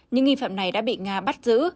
những nghi phạm này đã bị nga bắt giữ